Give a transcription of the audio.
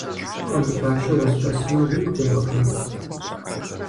Пхуэмыфащэ уэспэсмэ, уигу тебгъэхуэн?